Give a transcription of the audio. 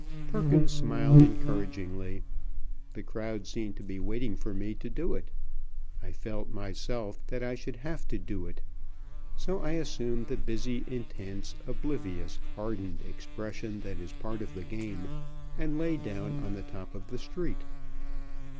Perkins smiled encouragingly. The crowd seemed to be waiting for me to do it. I felt, myself, that I should have to do it. So I assumed the busy, intense, oblivious, hardened expression that is part of the game, and lay down on the top of the street.